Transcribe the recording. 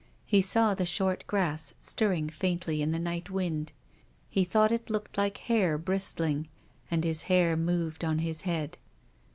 He saw the short grass stirring faintly in the night wind. He thought it looked like hair bristling, and his hair moved on his head.